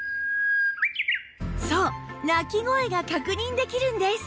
そう鳴き声が確認できるんです